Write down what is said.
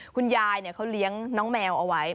คุณยายเขาเลี้ยงน้องแมวเอาไว้